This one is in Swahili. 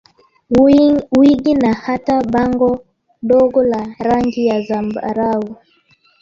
wigi na hata bango dogo la rangi ya zambarau